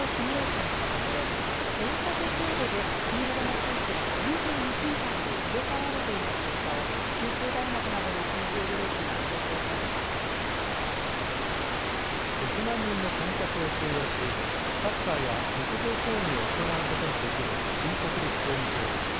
換気の状況をシミュレーションしたところ、そよ風程度で、フィールドの空気は２２分間で入れ代わるという結果を九州大学な６万人の観客を収容し、サッカーや陸上競技を行うことができる新国立競技場。